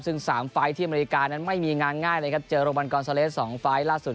ซึ่ง๓ไฟล์ที่อเมริกานั้นไม่มีงานง่ายเลยครับเจอโรมันกอนซาเลส๒ไฟล์ล่าสุด